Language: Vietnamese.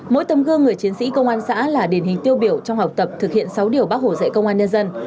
mỗi tấm gương người chiến sĩ công an xã là điển hình tiêu biểu trong học tập thực hiện sáu điều bác hồ dạy công an nhân dân